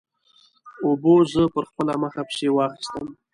اوبو زه پر خپله مخه پسې واخیستم.